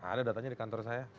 ada datanya di kantor saya